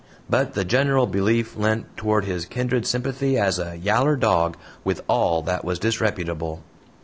But the general belief leant toward his kindred sympathy as a "yaller dog" with all that was disreputable.